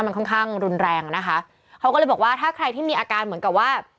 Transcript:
มันค่อนข้างรุนแรงนะคะเขาก็เลยบอกว่าถ้าใครที่มีอาการเหมือนกับว่า